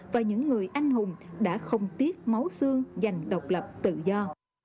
và những người anh hùng đã không tiếc máu xương giành độc lập tự do